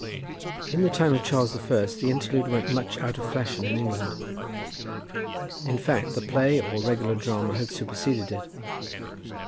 In the time of Charles the First the interlude went much out of fashion in England; in fact, the play, or regular drama, had superseded it.